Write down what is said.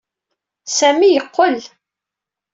Sami yeqqel.